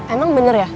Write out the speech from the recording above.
emang bener ya